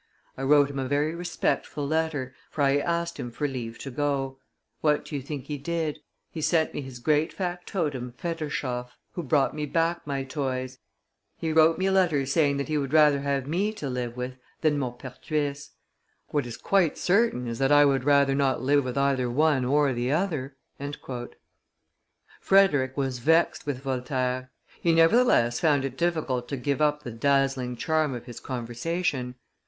I wrote him a very respectful letter, for I asked him for leave to go. What do you think he did? He sent me his great factotum Federshoff, who brought me back my toys; he wrote me a letter saying that he would rather have me to live with than Maupertuis. What is quite certain is, that I would rather not live with either one or the other." Frederick was vexed with Voltaire; he nevertheless found it difficult to give up the dazzling charm of his conversation.